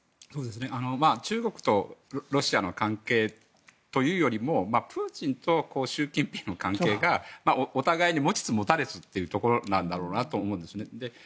中国とロシアの関係というよりもプーチンと習近平の関係がお互い持ちつ持たれつなんだろうなと思うんですね。